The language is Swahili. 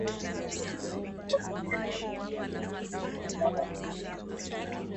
yakijaribu kupata udhibiti wa maeneo ambayo yaliwahi kuwa na amani